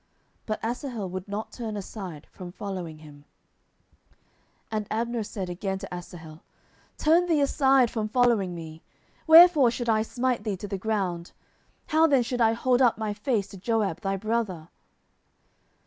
But Asahel would not turn aside from following of him. 10:002:022 And Abner said again to Asahel, Turn thee aside from following me: wherefore should I smite thee to the ground? how then should I hold up my face to Joab thy brother?